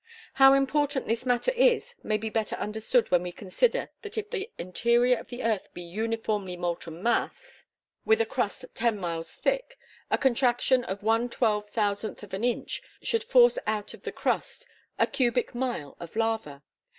How important this matter is may be better understood when we consider that if the interior of the earth be a uniformly molten mass, with a crust ten miles thick, a contraction of one twelve thousandth of an inch should force out of the crust a cubic mile of lava.